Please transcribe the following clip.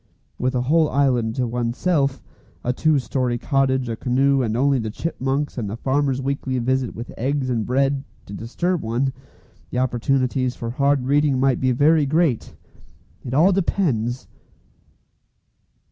With a whole island to oneself, a two storey cottage, a canoe, and only the chipmunks, and the farmer's weekly visit with eggs and bread, to disturb one, the opportunities for hard reading might be very great. It all depends!